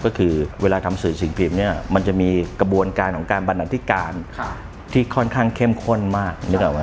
ก็คือเวลาทำสื่อสิ่งพิมพ์เนี่ยมันจะมีกระบวนการของการบรรณาธิการที่ค่อนข้างเข้มข้นมากนึกออกไหม